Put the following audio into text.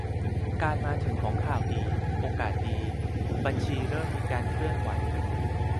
การมาถึงของข่าวดี โอกาสดี บัญชีเริ่มมีความเคลื่อนไหว